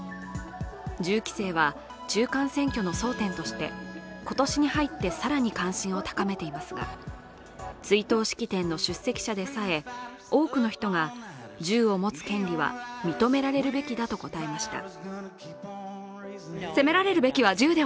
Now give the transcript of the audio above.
銃規制は中間選挙の争点として今年に入って更に関心を高めていますが追悼式典の出席者でさえ多くの人が銃を持つ権利は認められるべきだと答えました。